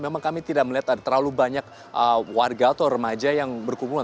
memang kami tidak melihat ada terlalu banyak warga atau remaja yang berkumpul